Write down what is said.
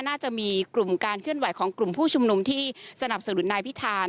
น่าจะมีกลุ่มการเคลื่อนไหวของกลุ่มผู้ชุมนุมที่สนับสนุนนายพิธาน